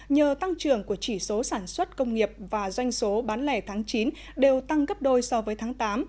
nhờ tăng trưởng của chỉ số sản xuất công nghiệp và doanh số bán lẻ tháng chín đều tăng gấp đôi so với tháng tám